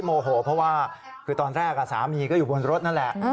โมโหเพราะว่าคือตอนแรกสามีก็อยู่บนรถนั่นแหละ